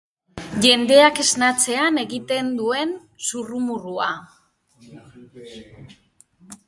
Jendeak esnatzean egiten duen zurrumurrua.